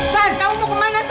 san kamu mau kemana san